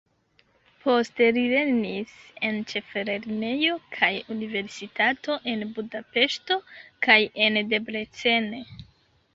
Poste li lernis en ĉeflernejo kaj universitato en Budapeŝto kaj en Debrecen.